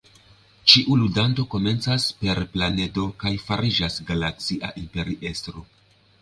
Ĉiu ludanto komencas "per planedo" kaj fariĝas galaksia imperiestro.